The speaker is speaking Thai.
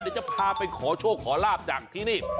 เดี๋ยวจะพาไปขอโชคขอลาบจากที่นี่